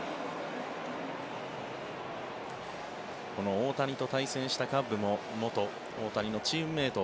大谷と対戦したカッブも元大谷のチームメート。